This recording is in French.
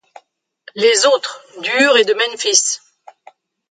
Les autres, d’Ur et de Memphis ;